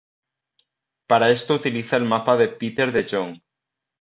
Para esto utiliza el mapa de Peter de Jong.